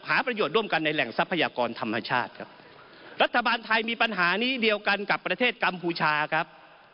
ประโยชน์ร่วมกันในแหล่งทรัพยากรธรรมชาติครับรัฐบาลไทยมีปัญหานี้เดียวกันกับประเทศกัมพูชาครับ